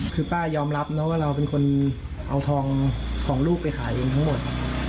คือป้ายอมรับนะว่าเราเป็นคนเอาทองของลูกไปขายเองทั้งหมด